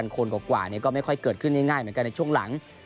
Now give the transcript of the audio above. คนกว่าก็ไม่ค่อยเกิดขึ้นง่ายเหมือนกันในช่วงหลัง